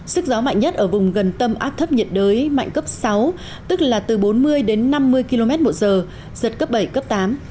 sức gió mạnh nhất ở vùng gần tâm áp thấp nhiệt đới mạnh cấp sáu tức là từ bốn mươi đến năm mươi km một giờ giật cấp bảy cấp tám